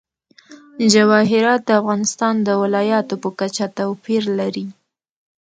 جواهرات د افغانستان د ولایاتو په کچه توپیر لري.